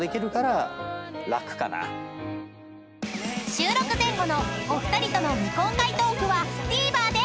［収録前後のお二人との未公開トークはＴＶｅｒで配信］